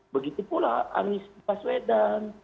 begitu pula agnistipa swedan